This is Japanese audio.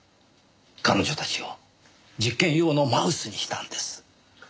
彼女たちを実験用のマウスにしたんです。